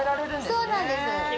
そうなんです。